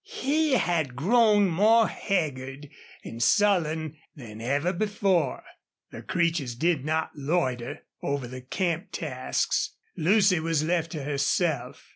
He had grown more haggard and sullen than ever before. The Creeches did not loiter over the camp tasks. Lucy was left to herself.